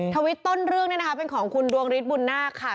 ทวิตต้นเรื่องเนี่ยนะคะเป็นของคุณดวงฤทธบุญนาคค่ะ